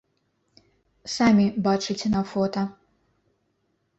Самі бачыце на фота.